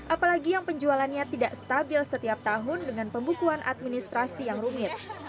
apalagi yang penjualannya tidak stabil setiap tahun dengan pembukuan administrasi yang rumit